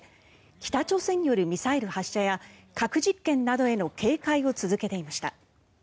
北朝鮮によるミサイル発射や核実験などへの警戒を続けていました。